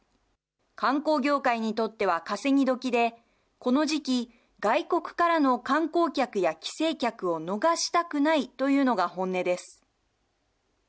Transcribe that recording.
観光業界にとっては稼ぎどきで、この時期、外国からの観光客や帰省客を逃したくないというのが本音です。